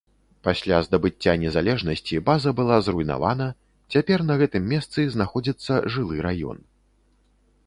Пасля здабыцця незалежнасці база была зруйнавана, цяпер на гэтым месцы знаходзіцца жылы раён.